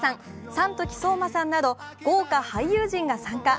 山時聡真さんなど豪華俳優陣が参加。